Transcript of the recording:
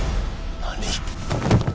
何！？